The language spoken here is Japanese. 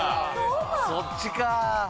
そっちか。